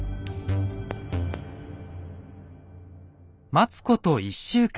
待つこと１週間。